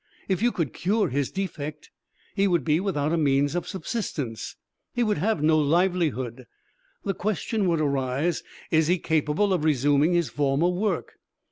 If you could cure his defect, he would be without a means of subsistence, he would have no livelihood. The question would arise: Is he capable of resuming his former work?